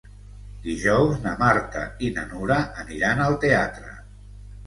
Dijous na Marta i na Nura aniran al teatre.